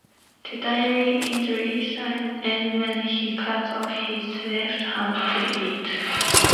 The diary entries end when he cuts off his left hand to eat.